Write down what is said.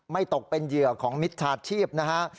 ไม่ตกเป็นเหยื่อของมิตรศาสตร์ชีพนะฮะ